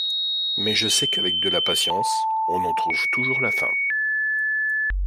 Mais je sais qu’avec de la patience on en trouve toujours la fin.